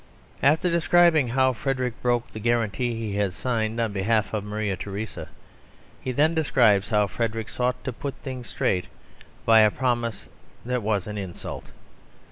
After describing how Frederick broke the guarantee he had signed on behalf of Maria Theresa, he then describes how Frederick sought to put things straight by a promise that was an insult.